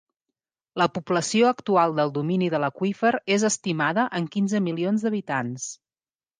La població actual del domini de l'aqüífer és estimada en quinze milions d'habitants.